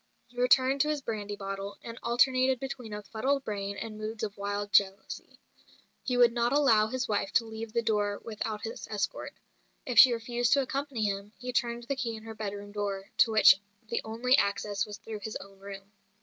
He returned to his brandy bottle, and alternated between a fuddled brain and moods of wild jealousy. He would not allow his wife to leave the door without his escort; if she refused to accompany him, he turned the key in her bedroom door, to which the only access was through his own room.